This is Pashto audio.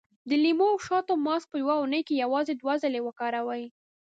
د لیمو او شاتو ماسک په يوه اونۍ کې یوازې دوه ځلې وکاروئ.